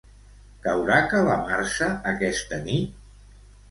Caurà calamarsa aquesta nit?